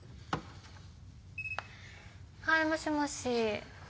はいもしもし。